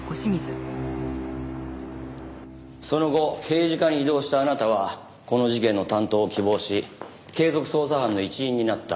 その後刑事課に異動したあなたはこの事件の担当を希望し継続捜査班の一員になった。